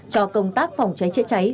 cho công tác phòng cháy chữa cháy